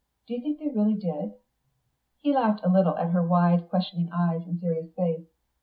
Do you think they really did?" He laughed a little at her wide, questioning eyes and serious face.